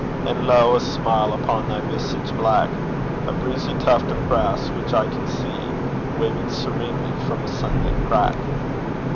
And, lo, a smile upon thy visage black A breezy tuft of grass which I can see Waving serenely from a sunlit crack!